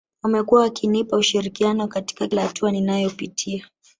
Wamekuwa wakinipa ushirikiano katika kila hatua ninayopitia